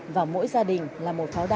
và mỗi gia đình là một phòng chống dịch